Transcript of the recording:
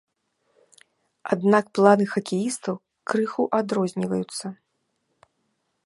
Аднак планы хакеістаў крыху адрозніваюцца.